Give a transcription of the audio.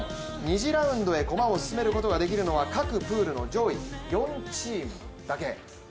２次ラウンドへ駒を進めることができるのは各プールの上位４チームだけ。